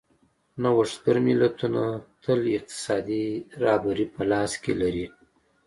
نوښتګر ملتونه تل اقتصادي رهبري په لاس کې لري.